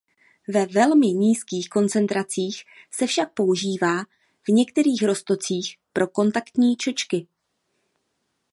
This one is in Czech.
Ve velmi nízkých koncentracích se však používá v některých roztocích pro kontaktní čočky.